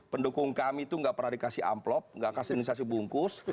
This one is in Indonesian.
pendukung kami itu enggak pernah dikasih amplop enggak kasih organisasi bungkus